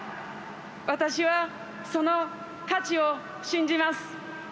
私は、その価値を信じます。